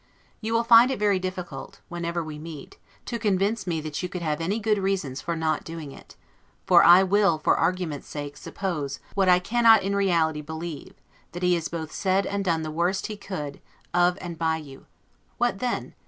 You will find it very difficult, whenever we meet, to convince me that you could have any good reasons for not doing it; for I will, for argument's sake, suppose, what I cannot in reality believe, that he has both said and done the worst he could, of and by you; What then?